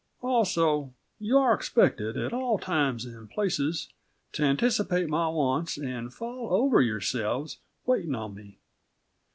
Also, you are expected, at all times and places, to anticipate my wants and fall over yourselves waiting on me.